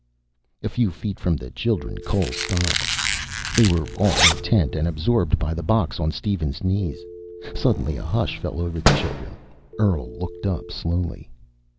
A few feet from the children Cole stopped. They were all intent and absorbed by the box on Steven's knees. Suddenly a hush fell over the children. Earl looked up slowly.